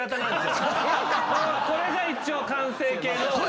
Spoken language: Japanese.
これが一応完成形の。